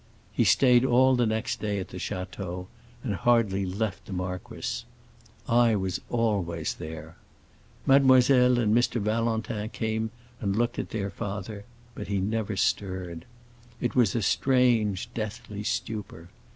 He stayed all the next day at the château, and hardly left the marquis. I was always there. Mademoiselle and Mr. Valentin came and looked at their father, but he never stirred. It was a strange, deathly stupor.